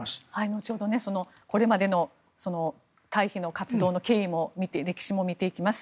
後ほどこれまでの退避の活動の歴史も見ていきます。